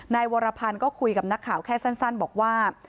วรพันธ์ก็คุยกับนักข่าวแค่สั้นบอกว่า